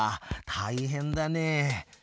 たいへんだね。